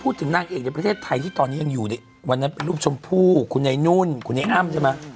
นางเอกในประเทศไทยที่ตอนนี้ยังอยู่ในวันนั้นเป็นลูกชมพู่คุณไอ้นุ่นคุณไอ้อ้ำใช่ไหม